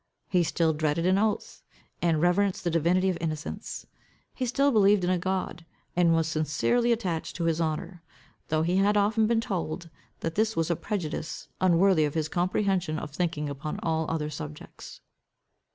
He still dreaded an oath, and reverenced the divinity of innocence. He still believed in a God, and was sincerely attached to his honour, though he had often been told, that this was a prejudice, unworthy of his comprehension of thinking upon all other subjects.